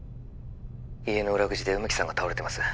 ☎家の裏口で梅木さんが倒れてます